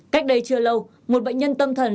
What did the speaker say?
cách đây chưa lâu một bệnh nhân tâm thần